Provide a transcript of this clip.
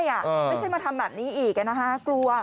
ไม่ใช่มาทำแบบนี้อีกนะคะกลัว